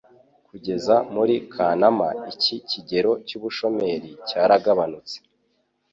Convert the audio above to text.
kugeza muri Kanama iki kigero cy'ubushomeri cyaragabanutse